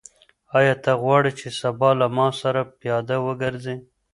آیا ته غواړې چې سبا له ما سره پیاده وګرځې؟